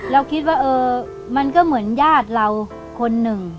เราคิดว่าเออมันก็เหมือนญาติเราคนหนึ่ง